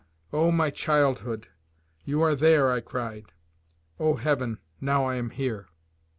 "Oh! my childhood! You are there!" I cried. "O, Heaven! now I am here."